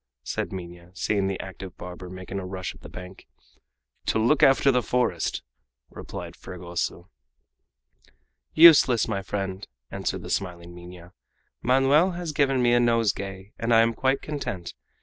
said Minha, seeing the active barber making a rush at the bank. "To look after the forest!" replied Fragoso. "Useless, my friend," answered the smiling Minha. "Manoel has given me a nosegay and I am quite content.